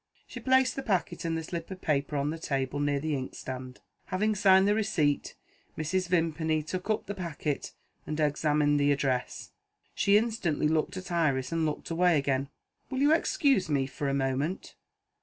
She placed the packet and the slip of paper on the table, near the inkstand. Having signed the receipt, Mrs. Vimpany took up the packet, and examined the address. She instantly looked at Iris, and looked away again. "Will you excuse me for a moment?"